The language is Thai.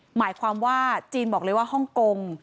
หมายความว่าจีนบอกเลยว่าฮ่องกง